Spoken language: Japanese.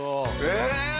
え！